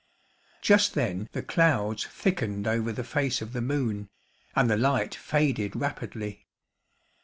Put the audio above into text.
Just then the clouds thickened over the face of the moon, and the light faded rapidly.